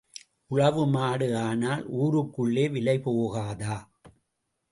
உழவு மாடு ஆனால் ஊருக்குள்ளே விலை போகாதா?